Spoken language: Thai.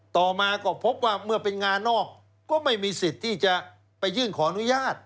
ต่อมาก็พบว่าเมื่อเป็นงานนอกก็ไม่มีสิทธิ์ที่จะไปยื่นขออนุญาต